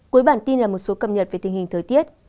cuối bản tin là một số cập nhật về tình hình thời tiết